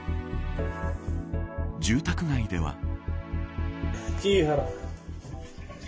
住宅街では。